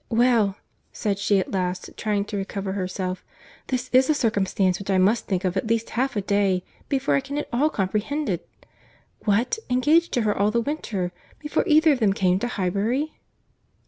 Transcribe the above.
"Well," said she at last, trying to recover herself; "this is a circumstance which I must think of at least half a day, before I can at all comprehend it. What!—engaged to her all the winter—before either of them came to Highbury?"